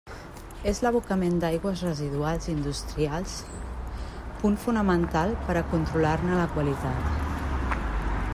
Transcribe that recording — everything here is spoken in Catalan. És l'abocament d'aigües residuals industrials punt fonamental per a controlar-ne la qualitat.